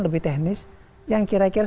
lebih teknis yang kira kira